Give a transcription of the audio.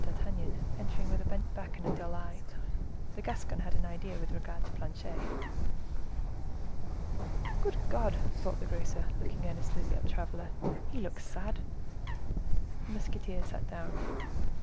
D'Artagnan entered with a bent back and a dull eye: the Gascon had an idea with regard to Planchet. "Good God!" thought the grocer, looking earnestly at the traveler, "he looks sad!" The musketeer sat down.